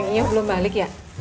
nang iyof belum balik ya